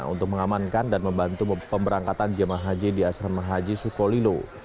untuk mengamankan dan membantu pemberangkatan jemaah haji di asrama haji sukolilo